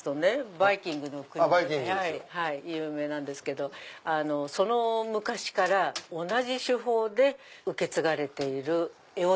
バイキング有名なんですけどその昔から同じ手法で受け継がれている絵織物なんです。